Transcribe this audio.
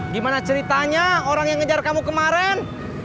gimana ceritanya orang yang ngejar kamu kemarin